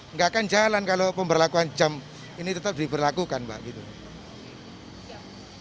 nggak akan jalan kalau pemberlakuan jam ini tetap diberlakukan mbak gitu